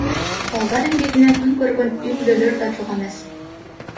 Балдар эмгегинен күн көргөн үй бүлөлөр да жок эмес.